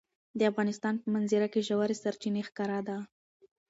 د افغانستان په منظره کې ژورې سرچینې ښکاره ده.